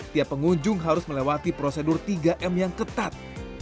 tiap pengunjung harus melewati prosedur tiga m yang ketat